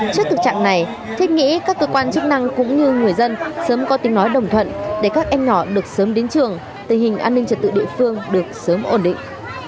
trước thực trạng này thiết nghĩ các cơ quan chức năng cũng như người dân sớm có tiếng nói đồng thuận để các em nhỏ được sớm đến trường tình hình an ninh trật tự địa phương được sớm ổn định